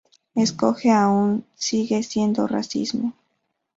Escoge, aún sigue siendo racismo.